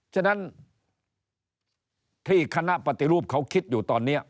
ฉะนั้นที่คณะปฏิรูปเขาคิดอยู่ตอนนี้